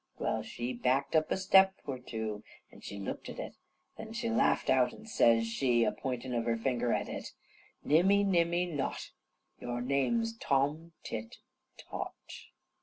Well, she backed a step or two, an' she looked at it, and then she laughed out, an' says she, a pointin' of her finger at it: "Nimmy, nimmy not, Yar name's Tom Tit Tot."